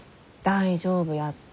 大丈夫やって。